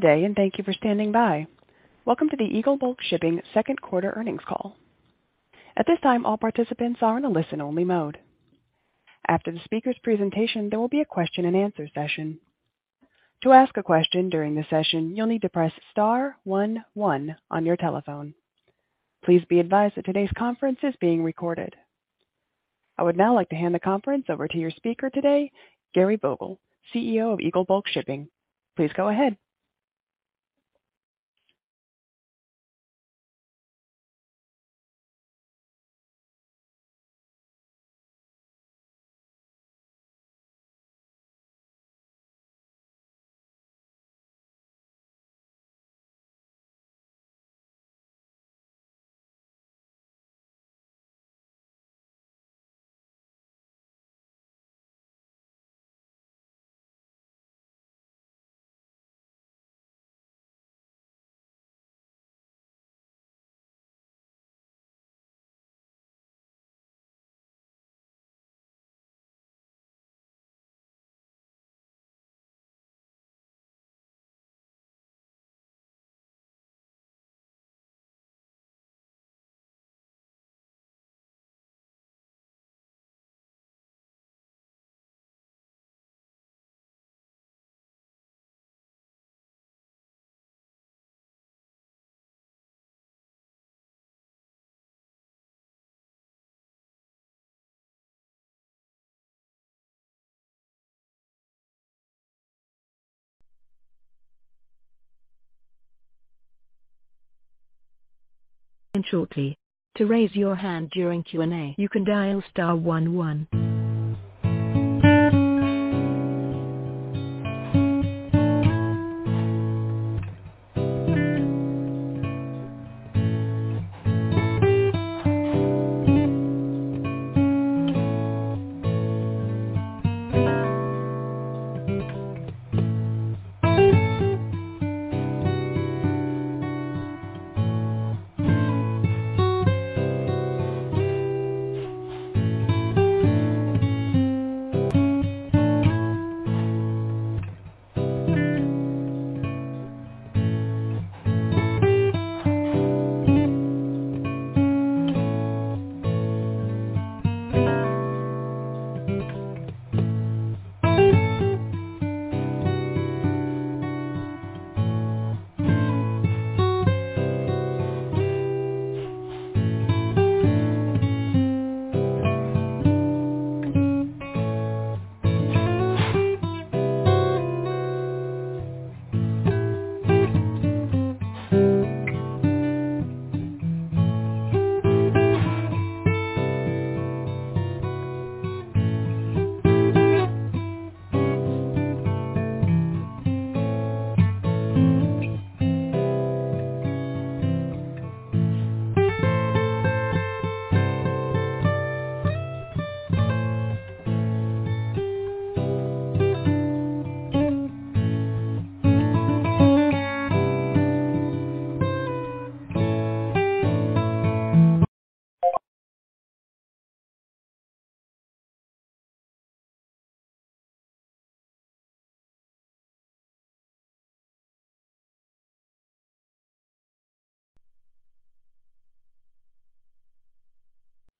Good day, and thank you for standing by. Welcome to the Eagle Bulk Shipping second quarter earnings call. At this time, all participants are in a listen-only mode. After the speaker's presentation, there will be a question and answer session. To ask a question during the session, you'll need to press star one one on your telephone. Please be advised that today's conference is being recorded. I would now like to hand the conference over to your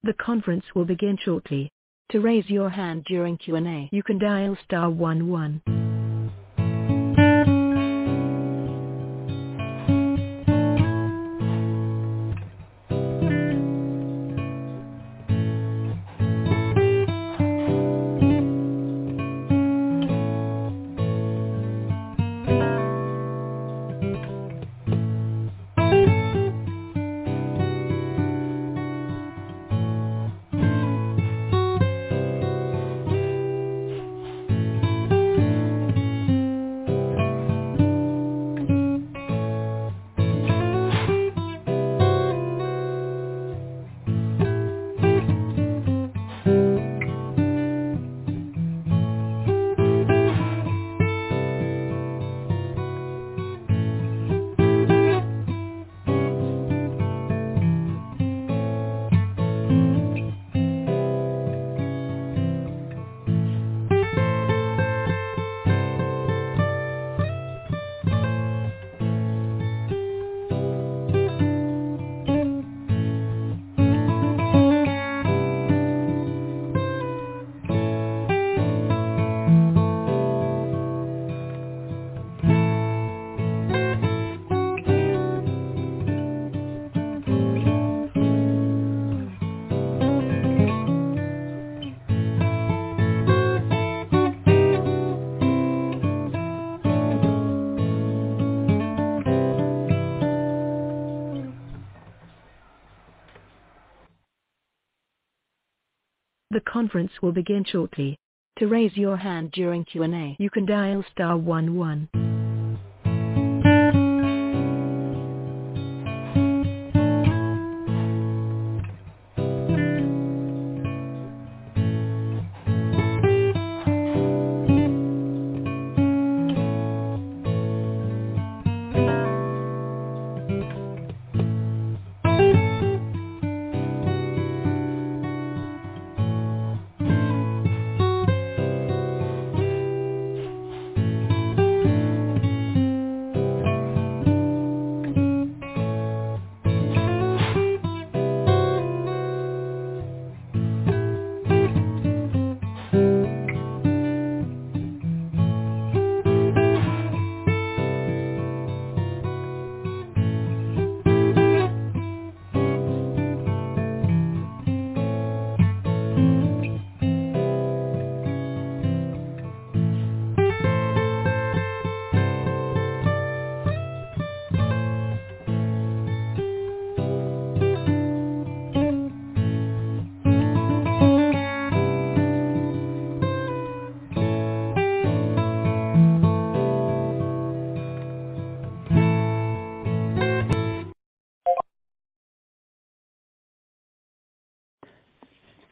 speaker today, Gary Vogel,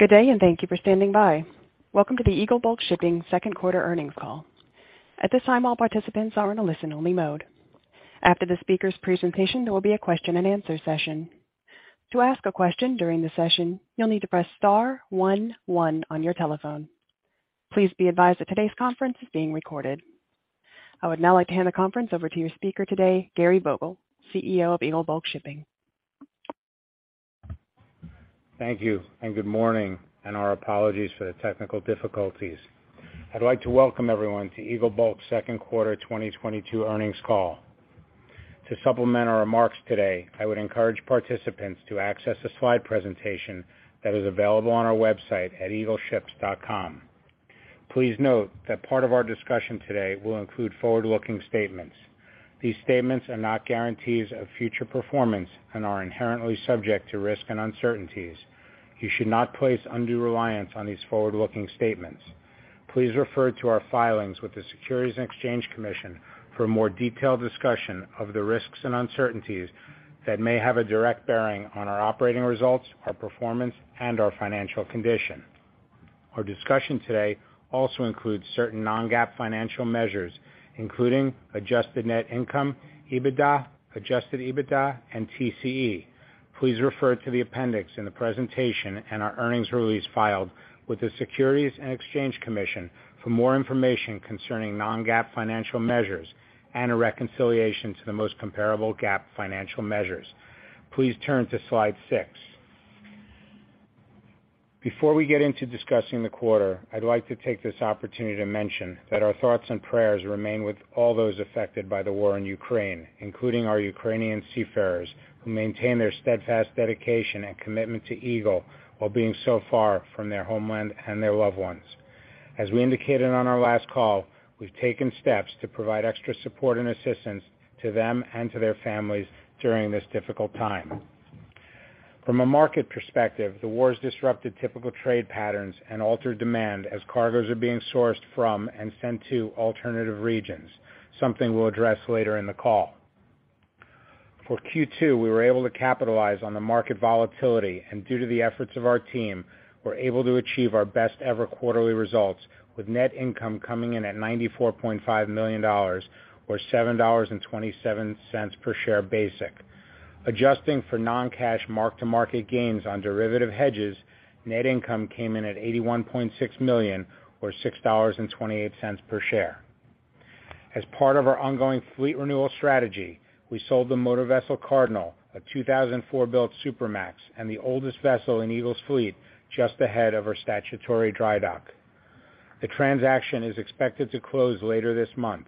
CEO of Eagle Bulk Shipping. Please go ahead. At this time, all participants are in a listen-only mode. After the speaker's presentation, there will be a question-and-answer session. To ask a question during the session, you'll need to press star one one on your telephone. Please be advised that today's conference is being recorded. I would now like to hand the conference over to your speaker today, Gary Vogel, CEO of Eagle Bulk Shipping. Thank you, and good morning, and our apologies for the technical difficulties. I'd like to welcome everyone to Eagle Bulk's second quarter 2022 earnings call. To supplement our remarks today, I would encourage participants to access the slide presentation that is available on our website at eagleships.com. Please note that part of our discussion today will include forward-looking statements. These statements are not guarantees of future performance and are inherently subject to risks and uncertainties. You should not place undue reliance on these forward-looking statements. Please refer to our filings with the Securities and Exchange Commission for a more detailed discussion of the risks and uncertainties that may have a direct bearing on our operating results, our performance, and our financial condition. Our discussion today also includes certain non-GAAP financial measures, including adjusted net income, EBITDA, adjusted EBITDA, and TCE. Please refer to the appendix in the presentation and our earnings release filed with the Securities and Exchange Commission for more information concerning non-GAAP financial measures and a reconciliation to the most comparable GAAP financial measures. Please turn to slide six. Before we get into discussing the quarter, I'd like to take this opportunity to mention that our thoughts and prayers remain with all those affected by the war in Ukraine, including our Ukrainian seafarers, who maintain their steadfast dedication and commitment to Eagle while being so far from their homeland and their loved ones. As we indicated on our last call, we've taken steps to provide extra support and assistance to them and to their families during this difficult time. From a market perspective, the war has disrupted typical trade patterns and altered demand as cargoes are being sourced from and sent to alternative regions, something we'll address later in the call. For Q2, we were able to capitalize on the market volatility, and due to the efforts of our team, we're able to achieve our best-ever quarterly results, with net income coming in at $94.5 million or $7.27 per share basic. Adjusting for non-cash mark-to-market gains on derivative hedges, net income came in at $81.6 million or $6.28 per share. As part of our ongoing fleet renewal strategy, we sold the motor vessel Cardinal, a 2004-built Supramax and the oldest vessel in Eagle's fleet, just ahead of our statutory dry dock. The transaction is expected to close later this month.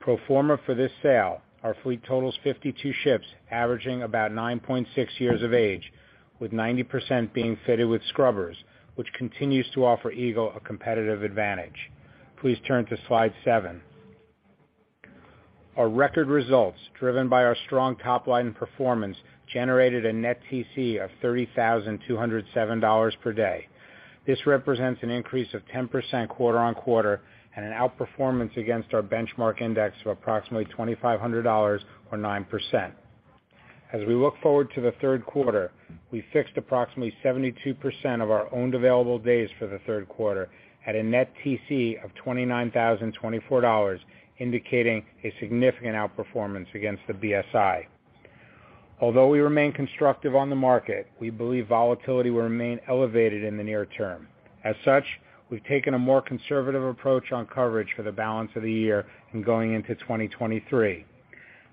Pro forma for this sale, our fleet totals 52 ships averaging about 9.6 years of age, with 90% being fitted with scrubbers, which continues to offer Eagle a competitive advantage. Please turn to slide seven. Our record results, driven by our strong top line performance, generated a net TC of $30,207 per day. This represents an increase of 10% quarter-over-quarter and an outperformance against our benchmark index of approximately $2,500 or 9%. As we look forward to the third quarter, we fixed approximately 72% of our owned available days for the third quarter at a net TC of $29,024, indicating a significant outperformance against the BSI. Although we remain constructive on the market, we believe volatility will remain elevated in the near term. As such, we've taken a more conservative approach on coverage for the balance of the year and going into 2023.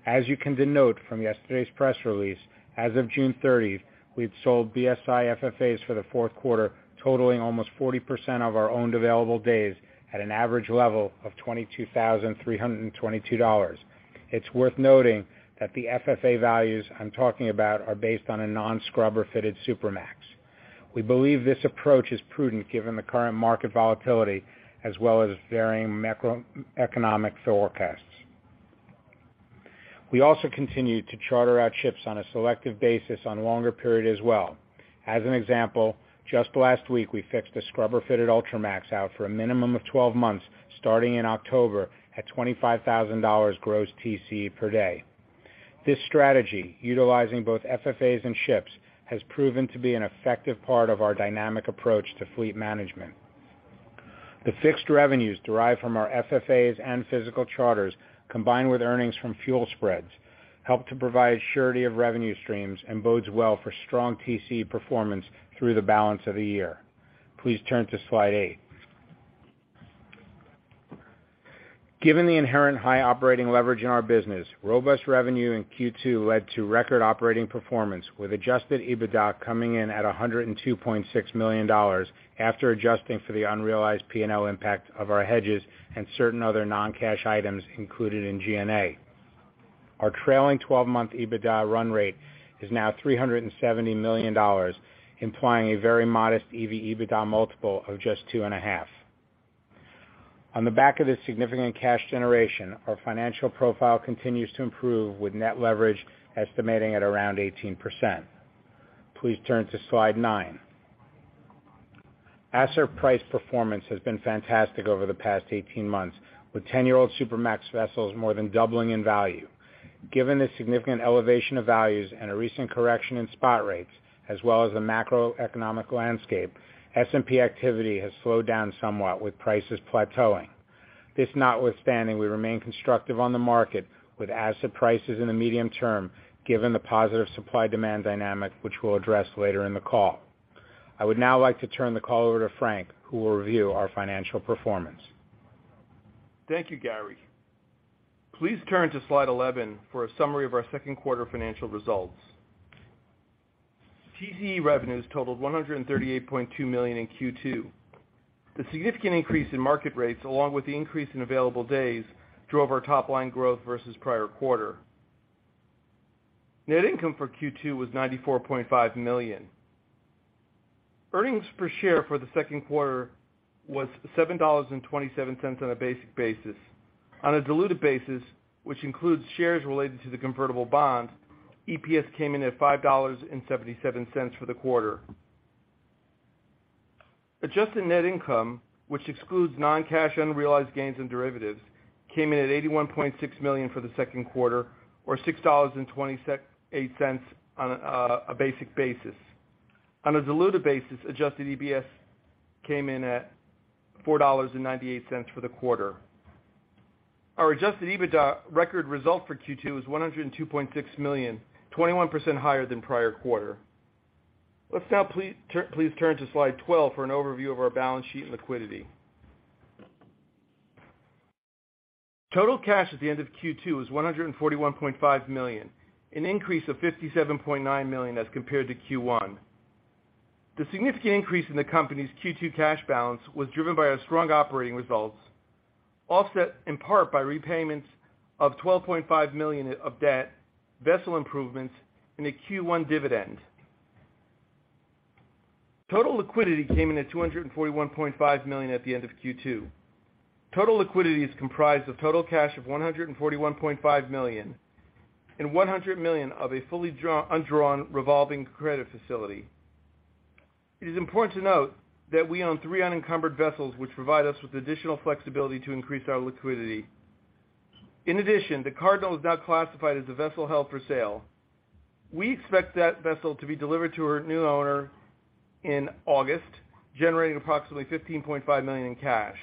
As you can denote from yesterday's press release, as of June 30, we've sold BSI FFAs for the fourth quarter, totaling almost 40% of our owned available days at an average level of $22,322. It's worth noting that the FFA values I'm talking about are based on a non-scrubber fitted Supramax. We believe this approach is prudent given the current market volatility as well as varying macroeconomic forecasts. We also continue to charter our ships on a selective basis on longer period as well. As an example, just last week, we fixed a scrubber-fitted Ultramax out for a minimum of 12 months, starting in October at $25,000 gross TC per day. This strategy, utilizing both FFAs and ships, has proven to be an effective part of our dynamic approach to fleet management. The fixed revenues derived from our FFAs and physical charters, combined with earnings from fuel spreads, help to provide surety of revenue streams and bodes well for strong TC performance through the balance of the year. Please turn to slide eight. Given the inherent high operating leverage in our business, robust revenue in Q2 led to record operating performance, with adjusted EBITDA coming in at $102.6 million after adjusting for the unrealized P&L impact of our hedges and certain other non-cash items included in G&A. Our trailing 12-month EBITDA run rate is now $370 million, implying a very modest EV/EBITDA multiple of just 2.5. On the back of this significant cash generation, our financial profile continues to improve, with net leverage estimated at around 18%. Please turn to slide nine. Asset price performance has been fantastic over the past 18 months, with 10-year-old Supramax vessels more than doubling in value. Given the significant elevation of values and a recent correction in spot rates, as well as the macroeconomic landscape, S&P activity has slowed down somewhat, with prices plateauing. This notwithstanding, we remain constructive on the market with asset prices in the medium term, given the positive supply-demand dynamic, which we'll address later in the call. I would now like to turn the call over to Frank, who will review our financial performance. Thank you, Gary. Please turn to slide 11 for a summary of our second quarter financial results. TCE revenues totaled $138.2 million in Q2. The significant increase in market rates, along with the increase in available days, drove our top-line growth versus prior quarter. Net income for Q2 was $94.5 million. Earnings per share for the second quarter was $7.27 on a basic basis. On a diluted basis, which includes shares related to the convertible bond, EPS came in at $5.77 for the quarter. Adjusted net income, which excludes non-cash unrealized gains and derivatives, came in at $81.6 million for the second quarter, or $6.28 on a basic basis. On a diluted basis, adjusted EPS came in at $4.98 for the quarter. Our adjusted EBITDA record result for Q2 was $102.6 million, 21% higher than prior quarter. Please turn to slide 12 for an overview of our balance sheet and liquidity. Total cash at the end of Q2 was $141.5 million, an increase of $57.9 million as compared to Q1. The significant increase in the company's Q2 cash balance was driven by our strong operating results, offset in part by repayments of $12.5 million of debt, vessel improvements and the Q1 dividend. Total liquidity came in at $241.5 million at the end of Q2. Total liquidity is comprised of total cash of $141.5 million and $100 million of a fully undrawn revolving credit facility. It is important to note that we own three unencumbered vessels, which provide us with additional flexibility to increase our liquidity. In addition, the Cardinal is now classified as a vessel held for sale. We expect that vessel to be delivered to her new owner in August, generating approximately $15.5 million in cash.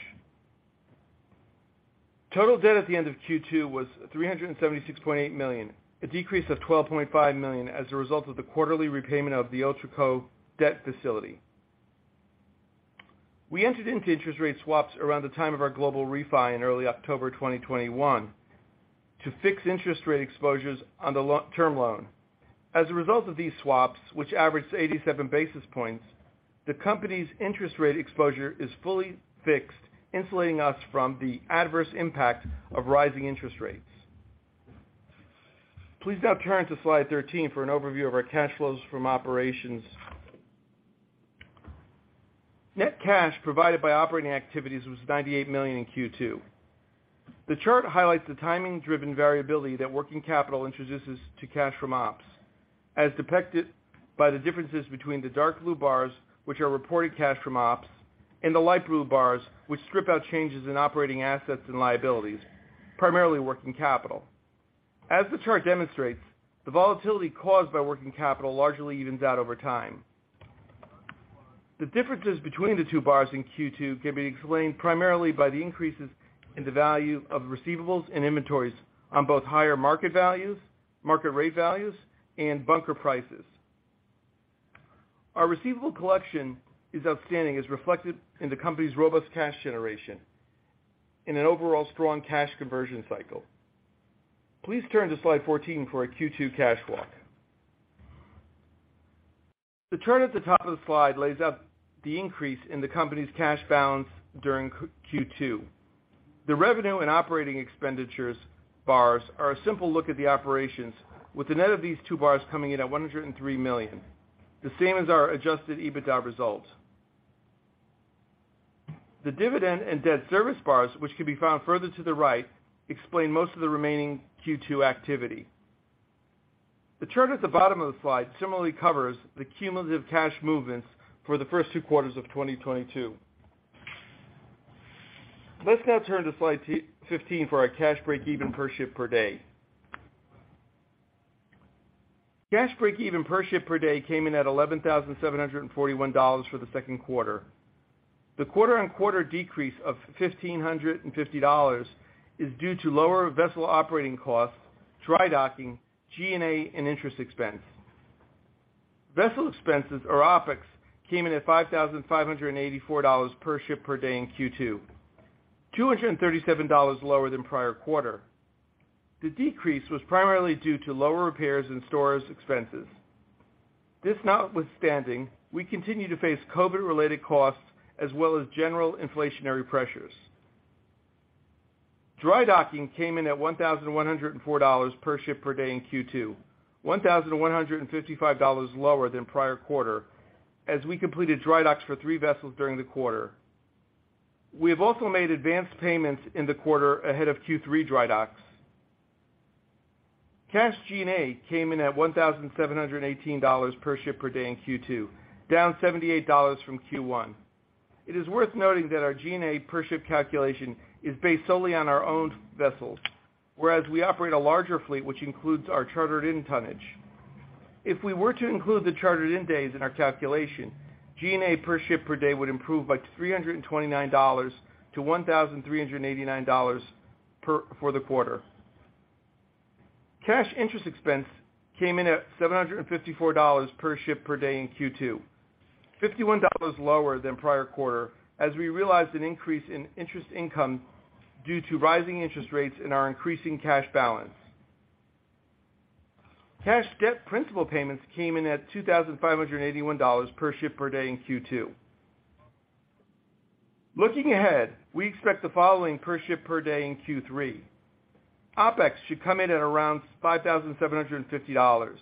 Total debt at the end of Q2 was $376.8 million, a decrease of $12.5 million as a result of the quarterly repayment of the Ultraco debt facility. We entered into interest rate swaps around the time of our global refi in early October 2021 to fix interest rate exposures on the long-term loan. As a result of these swaps, which averaged 87 basis points, the company's interest rate exposure is fully fixed, insulating us from the adverse impact of rising interest rates. Please now turn to slide 13 for an overview of our cash flows from operations. Net cash provided by operating activities was $98 million in Q2. The chart highlights the timing-driven variability that working capital introduces to cash from ops, as depicted by the differences between the dark blue bars, which are reported cash from ops, and the light blue bars, which strip out changes in operating assets and liabilities, primarily working capital. As the chart demonstrates, the volatility caused by working capital largely evens out over time. The differences between the two bars in Q2 can be explained primarily by the increases in the value of receivables and inventories on both higher market values, market rate values, and bunker prices. Our receivable collection is outstanding, as reflected in the company's robust cash generation in an overall strong cash conversion cycle. Please turn to slide 14 for a Q2 cash walk. The chart at the top of the slide lays out the increase in the company's cash balance during Q2. The revenue and operating expenditures bars are a simple look at the operations with the net of these two bars coming in at $103 million, the same as our adjusted EBITDA results. The dividend and debt service bars, which can be found further to the right, explain most of the remaining Q2 activity. The chart at the bottom of the slide similarly covers the cumulative cash movements for the first two quarters of 2022. Let's now turn to slide 15 for our cash breakeven per ship per day. Cash breakeven per ship per day came in at $11,741 for the second quarter. The quarter-on-quarter decrease of $1,550 is due to lower vessel operating costs, dry docking, G&A and interest expense. Vessel expenses or OpEx came in at $5,584 per ship per day in Q2, $237 lower than prior quarter. The decrease was primarily due to lower repairs and storage expenses. This notwithstanding, we continue to face COVID-related costs as well as general inflationary pressures. Dry docking came in at $1,104 per ship per day in Q2, $1,155 lower than prior quarter as we completed dry docks for three vessels during the quarter. We have also made advanced payments in the quarter ahead of Q3 dry docks. Cash G&A came in at $1,718 per ship per day in Q2, down $78 from Q1. It is worth noting that our G&A per ship calculation is based solely on our owned vessels, whereas we operate a larger fleet, which includes our chartered-in tonnage. If we were to include the chartered-in days in our calculation, G&A per ship per day would improve by $329 to $1,389 for the quarter. Cash interest expense came in at $754 per ship per day in Q2, $51 lower than prior quarter as we realized an increase in interest income due to rising interest rates and our increasing cash balance. Cash debt principal payments came in at $2,581 per ship per day in Q2. Looking ahead, we expect the following per ship per day in Q3. OpEx should come in at around $5,750.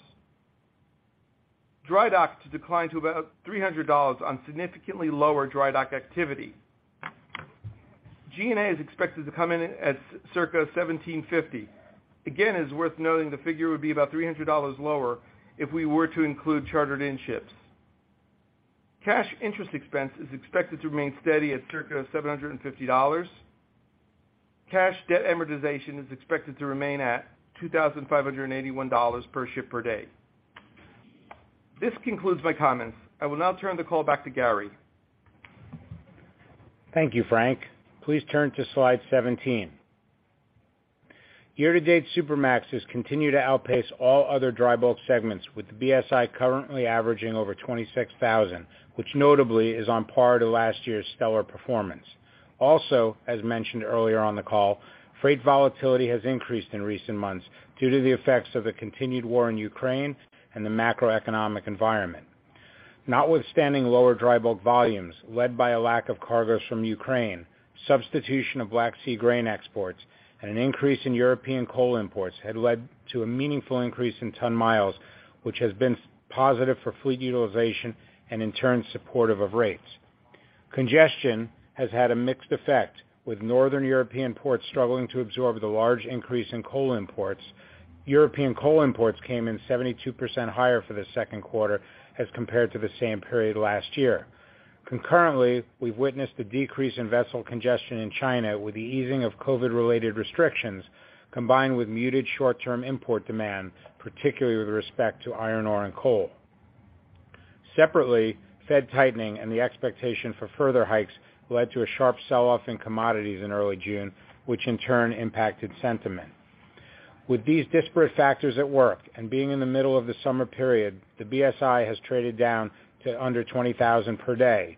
Dry dock to decline to about $300 on significantly lower dry dock activity. G&A is expected to come in at circa $1,750. Again, it is worth noting the figure would be about $300 lower if we were to include chartered-in ships. Cash interest expense is expected to remain steady at circa $750. Cash debt amortization is expected to remain at $2,581 per ship per day. This concludes my comments. I will now turn the call back to Gary. Thank you, Frank. Please turn to slide 17. Year-to-date, Supramax has continued to outpace all other dry bulk segments, with the BSI currently averaging over 26,000, which notably is on par to last year's stellar performance. Also, as mentioned earlier on the call, freight volatility has increased in recent months due to the effects of the continued war in Ukraine and the macroeconomic environment. Notwithstanding lower dry bulk volumes led by a lack of cargoes from Ukraine, substitution of Black Sea grain exports, and an increase in European coal imports had led to a meaningful increase in ton miles, which has been positive for fleet utilization and, in turn, supportive of rates. Congestion has had a mixed effect, with Northern European ports struggling to absorb the large increase in coal imports. European coal imports came in 72% higher for the second quarter as compared to the same period last year. Concurrently, we've witnessed a decrease in vessel congestion in China with the easing of COVID-related restrictions, combined with muted short-term import demand, particularly with respect to iron ore and coal. Separately, Fed tightening and the expectation for further hikes led to a sharp sell-off in commodities in early June, which in turn impacted sentiment. With these disparate factors at work and being in the middle of the summer period, the BSI has traded down to under $20,000 per day.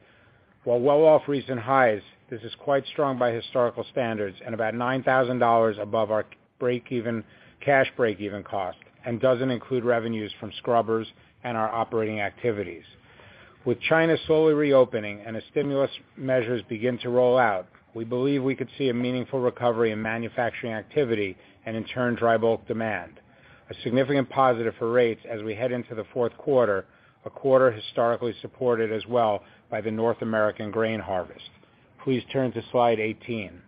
While well off recent highs, this is quite strong by historical standards and about $9,000 above our break-even cash break-even cost and doesn't include revenues from scrubbers and our operating activities. With China slowly reopening and as stimulus measures begin to roll out, we believe we could see a meaningful recovery in manufacturing activity and, in turn, dry bulk demand, a significant positive for rates as we head into the fourth quarter, a quarter historically supported as well by the North American grain harvest. Please turn to slide 18.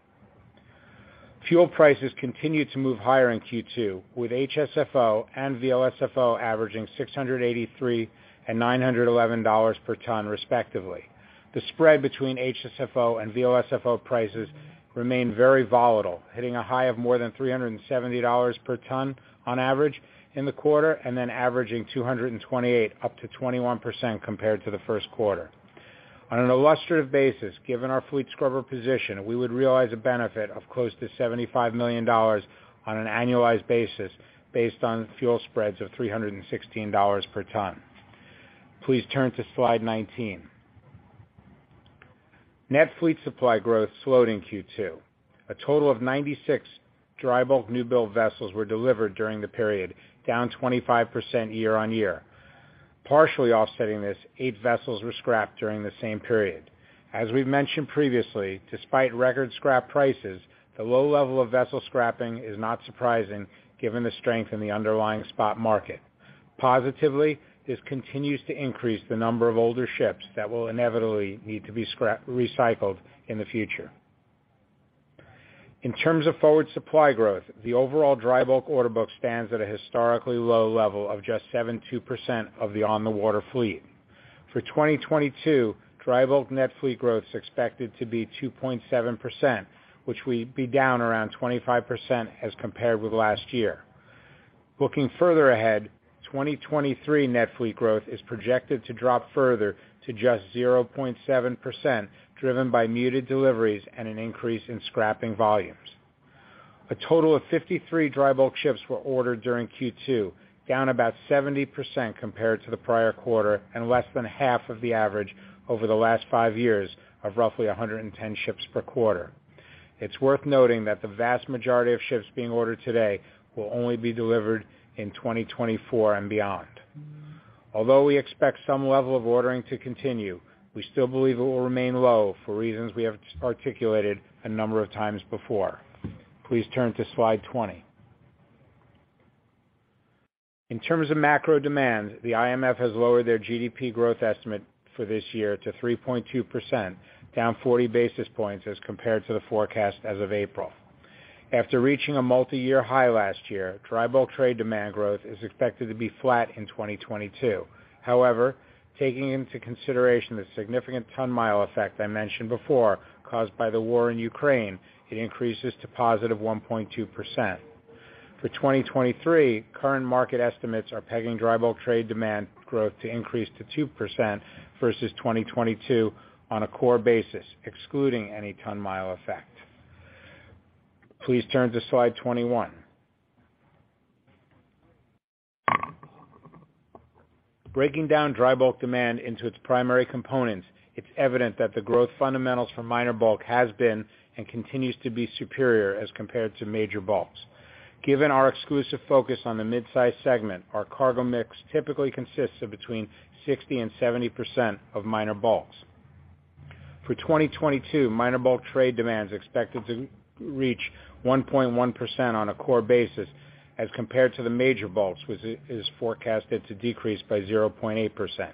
Fuel prices continued to move higher in Q2, with HSFO and VLSFO averaging $683 and $911 per ton, respectively. The spread between HSFO and VLSFO prices remained very volatile, hitting a high of more than $370 per ton on average in the quarter and then averaging $228, up 21% compared to the first quarter. On an illustrative basis, given our fleet scrubber position, we would realize a benefit of close to $75 million on an annualized basis based on fuel spreads of $316 per ton. Please turn to slide 19. Net fleet supply growth slowed in Q2. A total of 96 dry bulk new-build vessels were delivered during the period, down 25% year-on-year. Partially offsetting this, eight vessels were scrapped during the same period. As we've mentioned previously, despite record scrap prices, the low level of vessel scrapping is not surprising given the strength in the underlying spot market. Positively, this continues to increase the number of older ships that will inevitably need to be recycled in the future. In terms of forward supply growth, the overall dry bulk order book stands at a historically low level of just 7.2% of the on-the-water fleet. For 2022, dry bulk net fleet growth is expected to be 2.7%, which will be down around 25% as compared with last year. Looking further ahead, 2023 net fleet growth is projected to drop further to just 0.7%, driven by muted deliveries and an increase in scrapping volumes. A total of 53 dry bulk ships were ordered during Q2, down about 70% compared to the prior quarter and less than half of the average over the last five years of roughly 110 ships per quarter. It's worth noting that the vast majority of ships being ordered today will only be delivered in 2024 and beyond. Although we expect some level of ordering to continue, we still believe it will remain low for reasons we have articulated a number of times before. Please turn to slide 20. In terms of macro demand, the IMF has lowered their GDP growth estimate for this year to 3.2%, down 40 basis points as compared to the forecast as of April. After reaching a multi-year high last year, dry bulk trade demand growth is expected to be flat in 2022. However, taking into consideration the significant ton mile effect I mentioned before caused by the war in Ukraine, it increases to +1.2%. For 2023, current market estimates are pegging dry bulk trade demand growth to increase to 2% versus 2022 on a core basis, excluding any ton mile effect. Please turn to slide 21. Breaking down dry bulk demand into its primary components, it's evident that the growth fundamentals for minor bulk has been and continues to be superior as compared to major bulks. Given our exclusive focus on the mid-size segment, our cargo mix typically consists of between 60% and 70% of minor bulks. For 2022, minor bulk trade demand is expected to reach 1.1% on a core basis as compared to the major bulks, which is forecasted to decrease by 0.8%.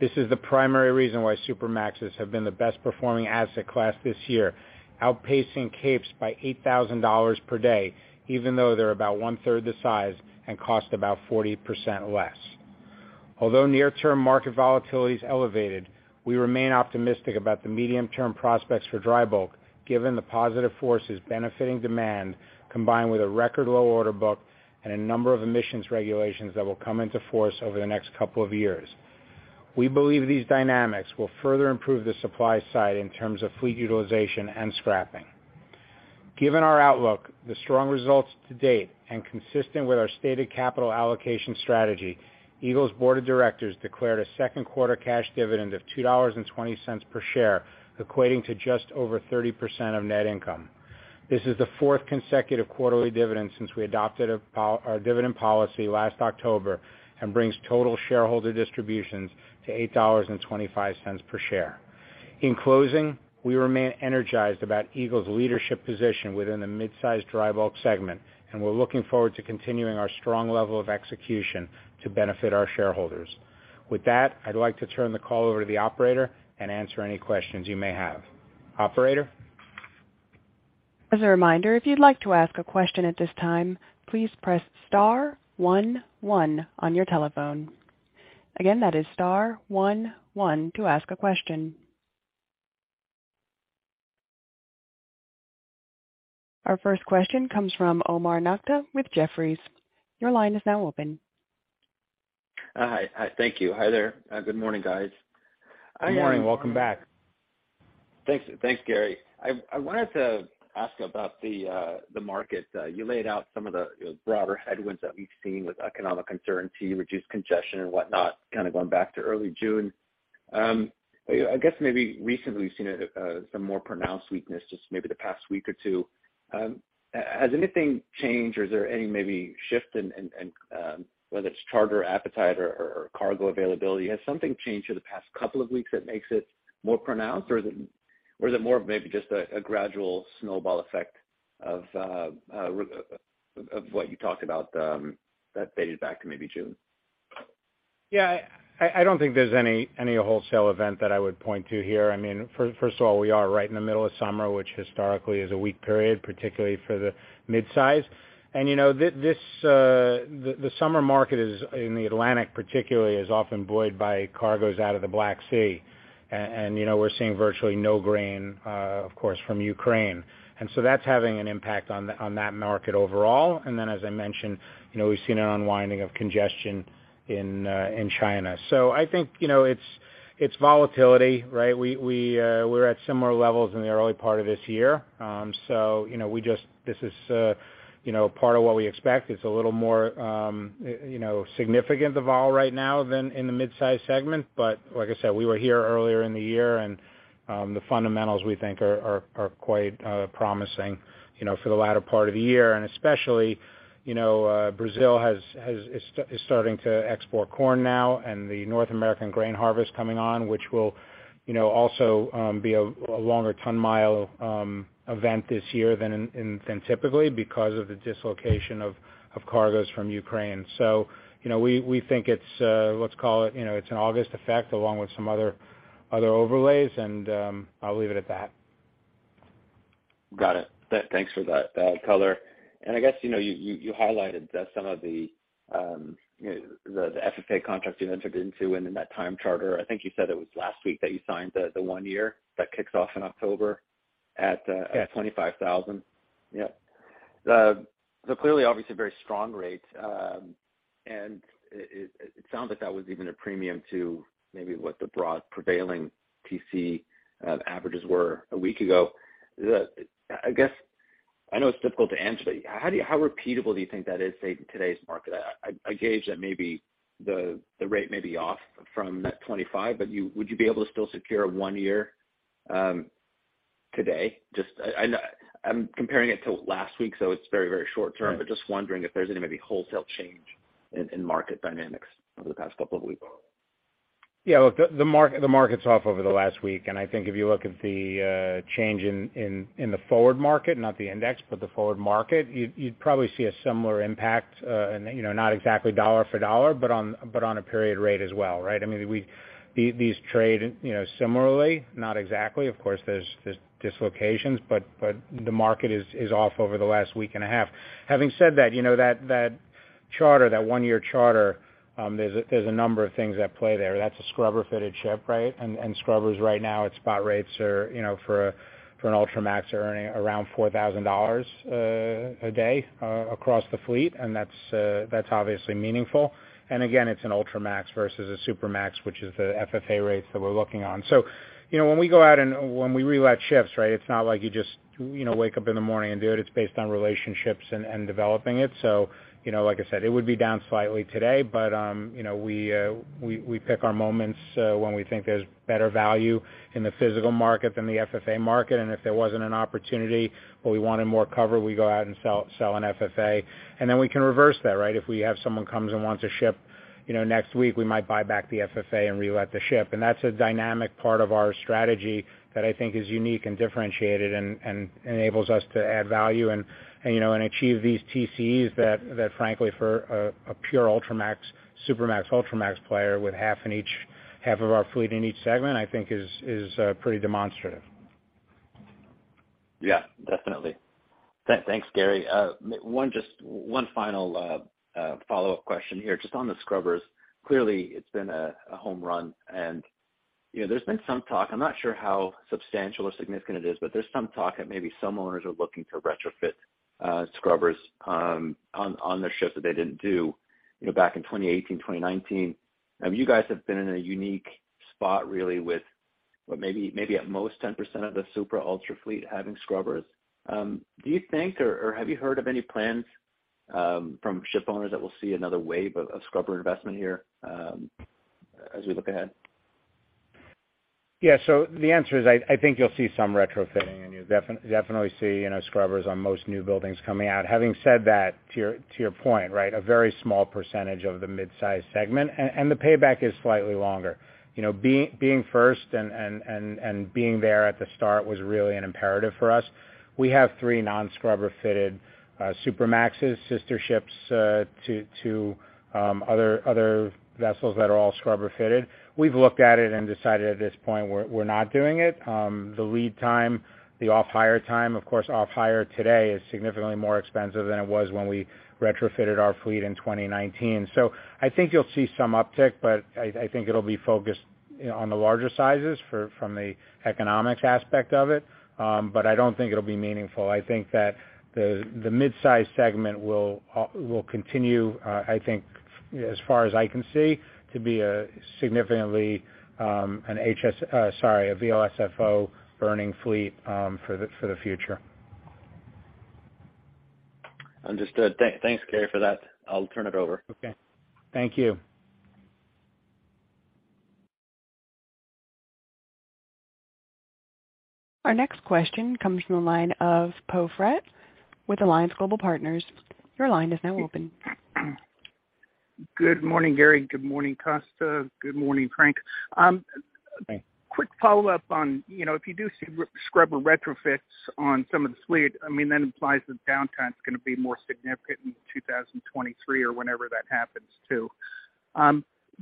This is the primary reason why Supramaxes have been the best performing asset class this year, outpacing Capes by $8,000 per day, even though they're about 1/3 the size and cost about 40% less. Although near-term market volatility is elevated, we remain optimistic about the medium-term prospects for dry bulk, given the positive forces benefiting demand, combined with a record low order book and a number of emissions regulations that will come into force over the next couple of years. We believe these dynamics will further improve the supply side in terms of fleet utilization and scrapping. Given our outlook, the strong results to date, and consistent with our stated capital allocation strategy, Eagle's Board of Directors declared a second quarter cash dividend of $2.20 per share, equating to just over 30% of net income. This is the fourth consecutive quarterly dividend since we adopted our dividend policy last October and brings total shareholder distributions to $8.25 per share. In closing, we remain energized about Eagle's leadership position within the mid-sized dry bulk segment, and we're looking forward to continuing our strong level of execution to benefit our shareholders. With that, I'd like to turn the call over to the operator and answer any questions you may have. Operator? As a reminder, if you'd like to ask a question at this time, please press star one one on your telephone. Again, that is star one one to ask a question. Our first question comes from Omar Nokta with Jefferies. Your line is now open. Hi. Thank you. Hi there. Good morning, guys. Good morning. Welcome back. Thanks, Gary. I wanted to ask about the market. You laid out some of the broader headwinds that we've seen with economic uncertainty, reduced congestion and whatnot, kind of going back to early June. I guess maybe recently we've seen some more pronounced weakness just maybe the past week or two. Has anything changed or is there any maybe shift in whether it's charter appetite or cargo availability? Has something changed in the past couple of weeks that makes it more pronounced, or is it more of maybe just a gradual snowball effect of what you talked about that dated back to maybe June? Yeah. I don't think there's any wholesale event that I would point to here. I mean, first of all, we are right in the middle of summer, which historically is a weak period, particularly for the midsize. The summer market in the Atlantic particularly is often buoyed by cargos out of the Black Sea. We're seeing virtually no grain, of course, from Ukraine. That's having an impact on that market overall. As I mentioned, we've seen an unwinding of congestion in China. I think it's volatility, right? We're at similar levels in the early part of this year. This is part of what we expect. It's a little more significant overall right now than in the mid-size segment. Like I said, we were here earlier in the year, and the fundamentals we think are quite promising for the latter part of the year. Especially, Brazil is starting to export corn now and the North American grain harvest coming on, which will also be a longer ton mile event this year than it is typically because of the dislocation of cargoes from Ukraine. We think it's, let's call it, it's an August effect along with some other overlays, and I'll leave it at that. Got it. Thanks for that color. I guess, you highlighted that some of the FFA contracts you entered into and in that time charter. I think you said it was last week that you signed the one year that kicks off in October at $25,000. Yeah. Clearly obviously a very strong rate. It sounds like that was even a premium to maybe what the broad prevailing TC averages were a week ago. I guess I know it's difficult to answer, but how repeatable do you think that is, say, in today's market? I gauge that maybe the rate may be off from net $25, but would you be able to still secure one year today? I know I'm comparing it to last week, it's very short term. Yeah. Just wondering if there's any maybe wholesale change in market dynamics over the past couple of weeks? Yeah. Look, the market's off over the last week. I think if you look at the change in the forward market, not the index, but the forward market, you'd probably see a similar impact. Then, not exactly dollar for dollar, but on a period rate as well, right? I mean, these trade similarly, not exactly, of course, there's dislocations, but the market is off over the last week and a half. Having said that charter, that one-year charter, there's a number of things at play there. That's a scrubber-fitted ship, right? Scrubbers right now at spot rates are for an Ultramax are earning around $4,000 a day across the fleet, and that's obviously meaningful. Again, it's an Ultramax versus a Supramax, which is the FFA rates that we're looking on. When we go out and when we relet ships, right? It's not like you just wake up in the morning and do it. It's based on relationships and developing it. Like I said, it would be down slightly today, but we pick our moments when we think there's better value in the physical market than the FFA market. If there wasn't an opportunity where we wanted more cover, we go out and sell an FFA. Then we can reverse that, right? If we have someone comes and wants a ship, next week, we might buy back the FFA and relet the ship. That's a dynamic part of our strategy that I think is unique and differentiated and enables us to add value and achieve these TCEs that frankly for a pure Ultramax, Supramax, Ultramax player with half in each half of our fleet in each segment, I think is pretty demonstrative. Yeah, definitely. Thanks, Gary. Just one final follow-up question here just on the scrubbers. Clearly, it's been a home run and there's been some talk, I'm not sure how substantial or significant it is, but there's some talk that maybe some owners are looking to retrofit scrubbers on their ships that they didn't do back in 2018, 2019. Do you think or have you heard of any plans from shipowners that we'll see another wave of scrubber investment here as we look ahead? The answer is, I think, you'll see some retrofitting and you definitely see scrubbers on most new buildings coming out. Having said that, to your point, right? A very small percentage of the mid-size segment and the payback is slightly longer. Being first and being there at the start was really an imperative for us. We have three non-scrubber fitted Supramaxes sister ships to other vessels that are all scrubber fitted. We've looked at it and decided at this point we're not doing it. The lead time, the off-hire time, of course, off-hire today is significantly more expensive than it was when we retrofitted our fleet in 2019. I think you'll see some uptick, but I think it'll be focused on the larger sizes from the economics aspect of it. I don't think it'll be meaningful. I think that the mid-size segment will continue, I think as far as I can see, to be a significantly VLSFO burning fleet, for the future. Understood. Thanks, Gary, for that. I'll turn it over. Okay. Thank you. Our next question comes from the line of Poe Fratt with Alliance Global Partners. Your line is now open. Good morning, Gary. Good morning, Costa. Good morning, Frank. Hey. Quick follow-up on, if you do see scrubber retrofits on some of the fleet, I mean, that implies the downtime is gonna be more significant in 2023 or whenever that happens too.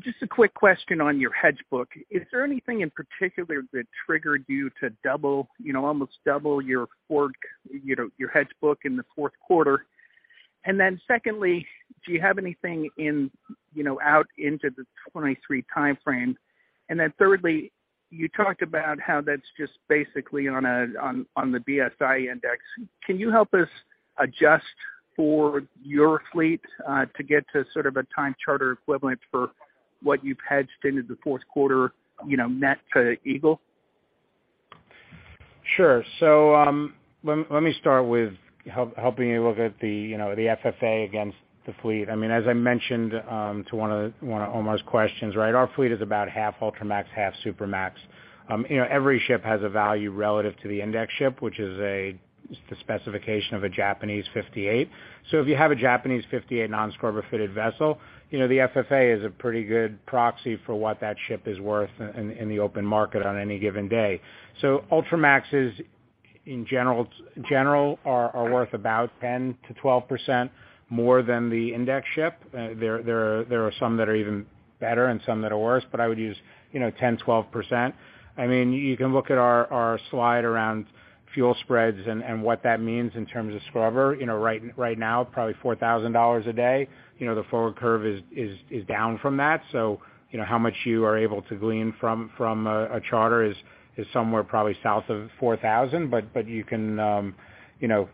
Just a quick question on your hedge book. Is there anything in particular that triggered you to double, you know, almost double your fourth, your hedge book in the fourth quarter? Secondly, do you have anything in, out into the 2023 timeframe? Thirdly, you talked about how that's just basically on the BSI index. Can you help us adjust for your fleet to get to a time charter equivalent for what you've hedged into the fourth quarter, net to Eagle? Sure. Let me start with helping you look at the FFA against the fleet. I mean, as I mentioned, to one of Omar's questions, right? Our fleet is about half Ultramax, half Supramax. Every ship has a value relative to the index ship, which is the specification of a Japanese 58. If you have a Japanese 58 non-scrubber fitted vessel, the FFA is a pretty good proxy for what that ship is worth in the open market on any given day. Ultramax is, in general, are worth about 10%-12% more than the index ship. There are some that are even better and some that are worse, but I would use 10%-12%. I mean, you can look at our slide around fuel spreads and what that means in terms of scrubber, right now, probably $4,000 a day. The forward curve is down from that. How much you are able to glean from a charter is somewhere probably south of $4,000. But you can,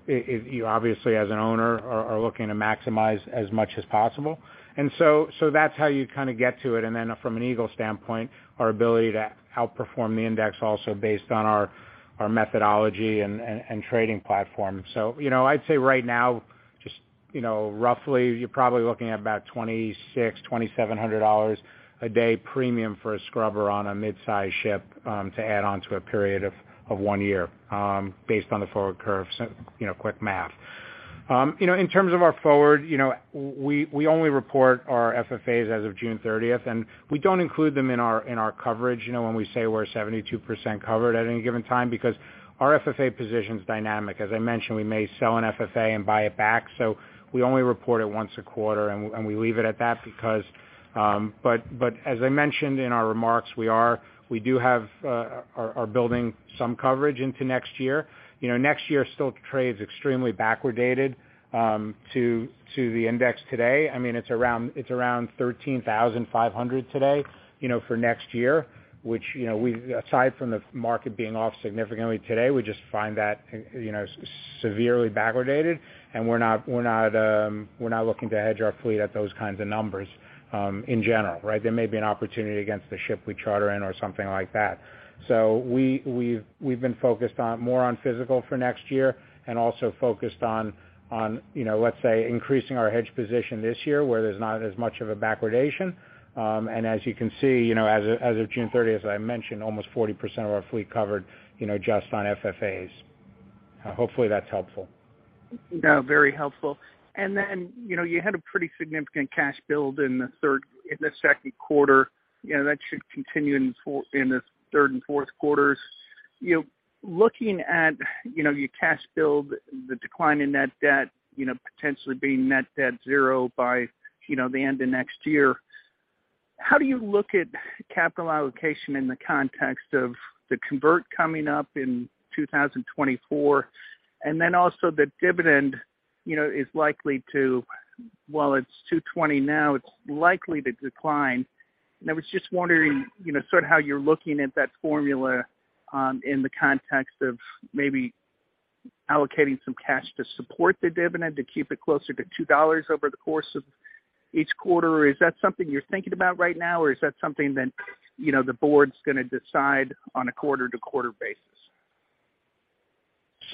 if you obviously as an owner are looking to maximize as much as possible. That's how you get to it. Then from an Eagle standpoint, our ability to outperform the index also based on our methodology and trading platform. I'd say right now, just you know, roughly you're probably looking at about $2,600-$2,700 a day premium for a scrubber on a mid-size ship, to add on to a period of one year, based on the forward curve, so you know, quick math. In terms of our forward, we only report our FFAs as of June 30th, and we don't include them in our coverage. When we say we're 72% covered at any given time because our FFA position's dynamic. As I mentioned, we may sell an FFA and buy it back, so we only report it once a quarter and we leave it at that because. As I mentioned in our remarks, we are building some coverage into next year. Next year still trades extremely backwardated to the index today. I mean, it's around 13,500 today for next year, which, aside from the market being off significantly today, we just find that severely backwardated, and we're not looking to hedge our fleet at those kinds of numbers in general, right? There may be an opportunity against the ship we charter in or something like that. We have been focused more on physical for next year and also focused on, let's say, increasing our hedge position this year where there's not as much of a backwardation. As you can see, as of June 30th, as I mentioned, almost 40% of our fleet covered, just on FFAs. Hopefully, that's helpful. No, very helpful. Then, you had a pretty significant cash build in the second quarter. That should continue in the third and fourth quarters. Looking at your cash build, the decline in net debt, potentially being net debt zero by the end of next year, how do you look at capital allocation in the context of the convert coming up in 2024? Then also the dividend is likely to, while it's $2.20 now, it's likely to decline. I was just wondering, how you're looking at that formula, in the context of maybe allocating some cash to support the dividend to keep it closer to $2 over the course of each quarter. Is that something you're thinking about right now or is that something that the board's gonna decide on a quarter-to-quarter basis?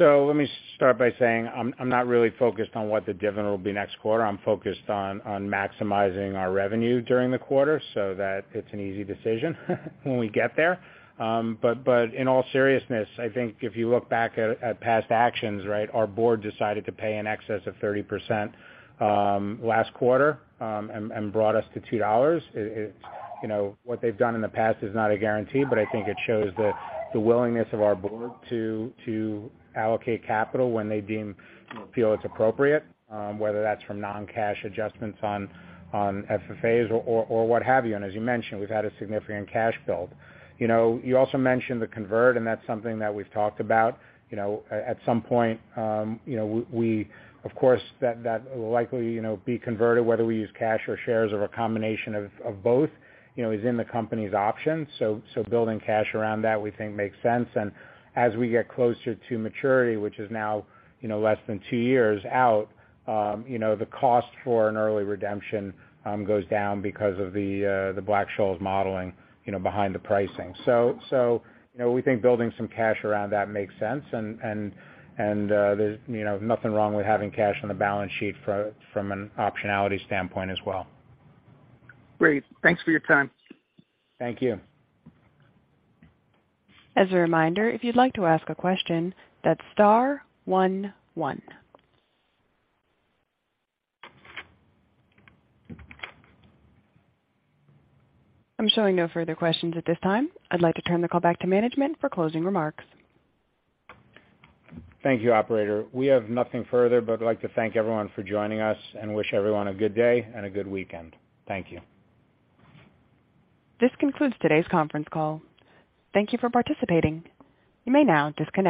Let me start by saying I'm not really focused on what the dividend will be next quarter. I'm focused on maximizing our revenue during the quarter so that it's an easy decision when we get there. In all seriousness, I think if you look back at past actions, right, our board decided to pay in excess of 30%, last quarter, and brought us to $2. It, you know, what they've done in the past is not a guarantee, but I think it shows the willingness of our board to allocate capital when they deem or feel it's appropriate, whether that's from non-cash adjustments on FFAs or what have you. As you mentioned, we've had a significant cash build. You also mentioned the convertible, and that's something that we've talked about. At some point, we of course that will likely be converted, whether we use cash or shares or a combination of both, is in the company's options. Building cash around that we think makes sense. As we get closer to maturity, which is now less than two years out, the cost for an early redemption goes down because of the Black-Scholes modeling behind the pricing. We think building some cash around that makes sense. There's nothing wrong with having cash on the balance sheet from an optionality standpoint as well. Great. Thanks for your time. Thank you. As a reminder, if you'd like to ask a question, that's star one one. I'm showing no further questions at this time. I'd like to turn the call back to management for closing remarks. Thank you, operator. We have nothing further, but I'd like to thank everyone for joining us and wish everyone a good day and a good weekend. Thank you. This concludes today's conference call. Thank you for participating. You may now disconnect.